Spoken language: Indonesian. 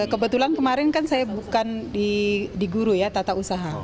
kebetulan kemarin kan saya bukan di guru ya tata usaha